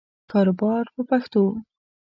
کاروبار په پښتو.